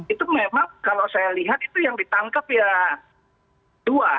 itu memang kalau saya lihat itu yang ditangkap ya dua